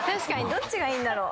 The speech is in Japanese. どっちがいいんだろう？